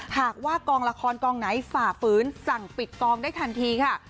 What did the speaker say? หากว่ากองละครกองไหนฝ่าฝืนสั่งปิดกองได้ทันทีค่ะ